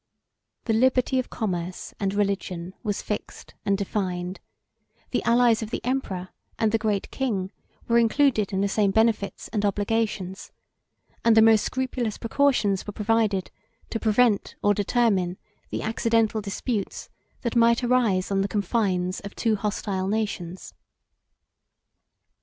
The liberty of commerce and religion was fixed and defined; the allies of the emperor and the great king were included in the same benefits and obligations; and the most scrupulous precautions were provided to prevent or determine the accidental disputes that might arise on the confines of two hostile nations.